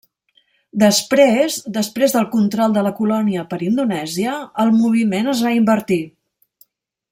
Després, després del control de la colònia per Indonèsia, el moviment es va invertir.